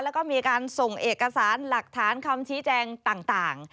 แล้วก็มีการส่งเอกสารหลักฐานคำชี้แจงต่าง